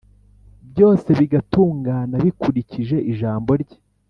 byose bigatungana bikurikije ijambo rye.